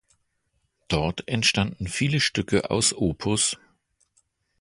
Dort entstanden viele der Stücke aus op.